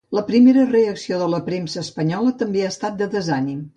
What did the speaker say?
La primera reacció de la premsa espanyola també ha estat de desànim.